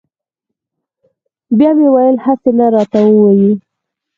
بیا مې ویل هسې نه راته ووایي.